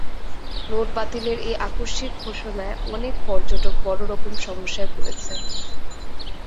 Note বাতিলের এই আকস্মিক ঘোষণায় অনেক পর্যটক বড় রকম সমস্যায় পড়েছেন।